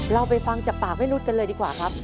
เราไปฟังจากปากแม่นุษย์กันเลยดีกว่าครับ